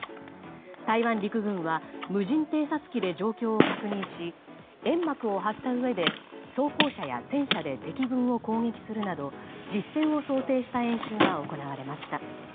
台湾陸軍は無人偵察機で状況を確認し煙幕を張ったうえで装甲車や戦車で敵軍を攻撃するなど実戦を想定した演習が行われました。